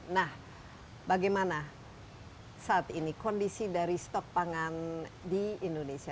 nah bagaimana saat ini kondisi dari stok pangan di indonesia